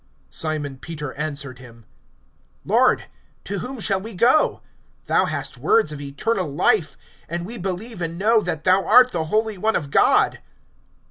(68)Simon Peter answered him: Lord, to whom shall we go? Thou hast words of eternal life. (69)And we believe and know, that thou art the Holy One of God.